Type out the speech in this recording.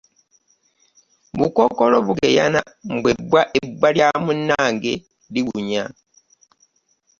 Bukookolo bugeyana mbu ebbwa lya munnange liwunya.